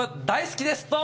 大好きです。